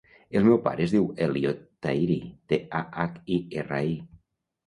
El meu pare es diu Elliot Tahiri: te, a, hac, i, erra, i.